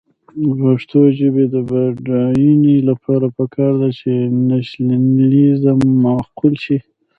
د پښتو ژبې د بډاینې لپاره پکار ده چې نیشنلېزم معقول شي.